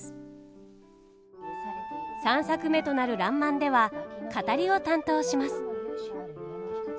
３作目となる「らんまん」では語りを担当します。